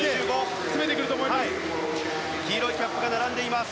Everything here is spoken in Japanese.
黄色いキャップが並んでいます。